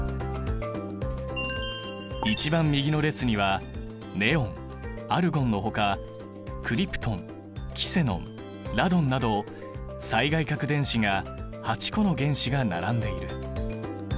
一番右の列にはネオンアルゴンのほかクリプトンキセノンラドンなど最外殻電子が８個の原子が並んでいる。